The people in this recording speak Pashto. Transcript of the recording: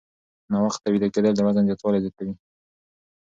ناوخته ویده کېدل د وزن زیاتوالی زیاتوي.